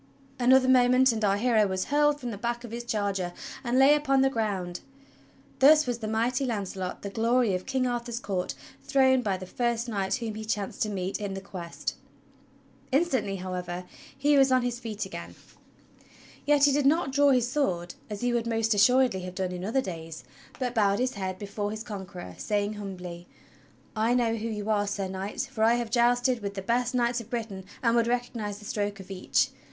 Another moment and our hero was hurled from the back of his charger and lay upon the ground. Thus was the mighty Launcelot, the glory of King Arthur's court, thrown by the first knight whom he chanced to meet in the Quest! Instantly, however, he was on his feet again; yet he did not THE QUEST OE THE HOLY GRAIL 121 draw his sword, as he would most assuredly have done in other days, but bowed his head before his conqueror saying humbly: "I know who you are. Sir Knight; for I have jousted with the best knights of Britain and would recognize the stroke of each.